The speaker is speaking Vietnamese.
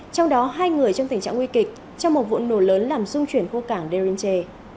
trong đó hai người trong tình trạng nguy kịch trong một vụ nổ lớn làm dung chuyển khu cảng derinche